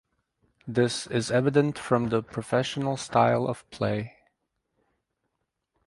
This is evident from the professional style of play.